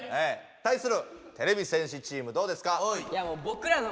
対するてれび戦士チームどうですか？